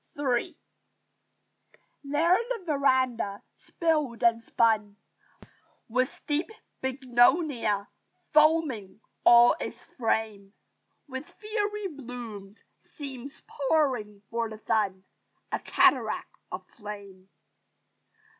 III There the verandah, spilled and spun With deep bignonia, foaming all its frame With fiery blooms, seems pouring for the sun A cataract of flame.